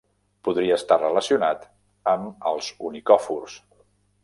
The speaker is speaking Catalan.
Podria estar relacionat amb els onicòfors.